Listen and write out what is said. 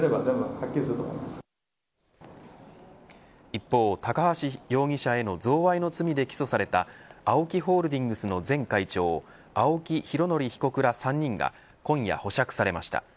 一方、高橋容疑者への贈賄の罪で起訴されたＡＯＫＩホールディングスの前会長青木拡憲被告ら３人が今夜、保釈されました。